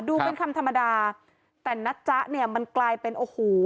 ดูเป็นคำธรรมดาแต่นะจ๊ะเนี่ยมันกลายเป็นโอ้โห